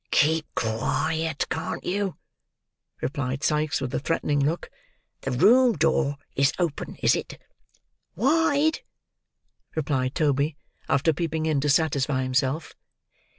"Keep quiet, can't you?" replied Sikes, with a threatening look. "The room door is open, is it?" "Wide," replied Toby, after peeping in to satisfy himself.